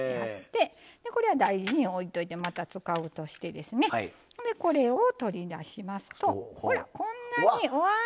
大事に置いておいてまた使うとしてこれを取り出しますとほら、こんなにうわー！